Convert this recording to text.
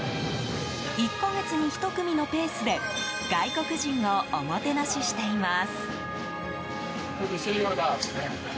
１か月に１組のペースで外国人をおもてなししています。